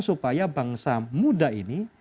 supaya bangsa muda ini